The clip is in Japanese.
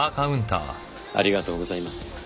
ありがとうございます。